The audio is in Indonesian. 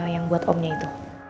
yang buat omnya itu